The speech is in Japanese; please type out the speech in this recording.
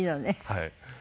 はい。